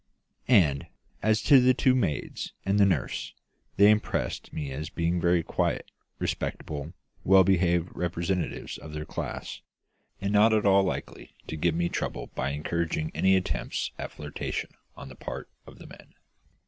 And, as to the two maids and the nurse, they impressed me as being very quiet, respectable well behaved representatives of their class, and not at all likely to give me trouble by encouraging any attempts at flirtation on the part of the men.